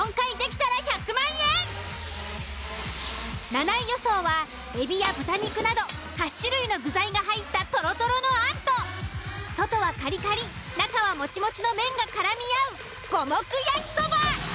７位予想は海老や豚肉など８種類の具材が入ったとろとろのあんと外はカリカリ中はもちもちの麺がからみ合う五目焼そば。